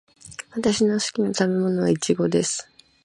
私の好きな食べ物はイチゴです。